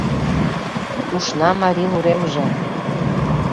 Кушна марин уремже